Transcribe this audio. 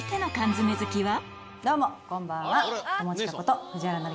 どうもこんばんは。